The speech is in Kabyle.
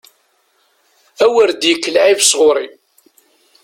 A wer d-yekk lɛib sɣur-i!